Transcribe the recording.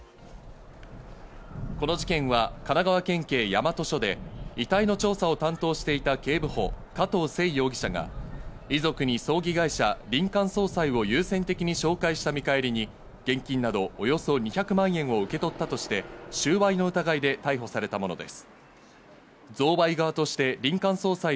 この事件は神奈川県警大和署で遺体の調査を担当していた警部補・加藤聖容疑者が遺族に葬儀会社・林間葬祭を優先的に紹介した見返りに、現金などおよそ２００万円を受け取ったとして、収賄の疑いで逮捕されたものです。